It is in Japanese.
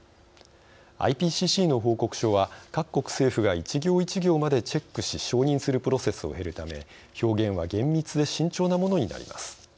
ＩＰＣＣの報告書は各国政府が一行一行までチェックし承認するプロセスを経るため表現は厳密で慎重なものになります。